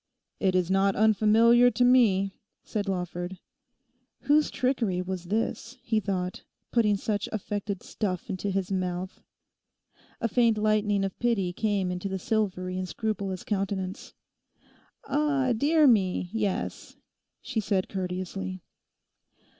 'It is not unfamiliar to me,' said Lawford. Whose trickery was this? he thought, putting such affected stuff into his mouth. A faint lightening of pity came into the silvery and scrupulous countenance. 'Ah, dear me, yes,' she said courteously.